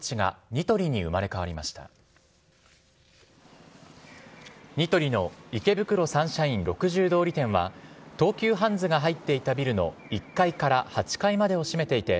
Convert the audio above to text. ニトリの池袋サンシャイン６０通り店は、東急ハンズが入っていたビルの１階から８階までを占めていて、